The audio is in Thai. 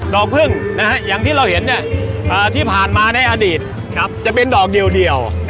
พึ่งอย่างที่เราเห็นที่ผ่านมาในอดีตจะเป็นดอกเดียว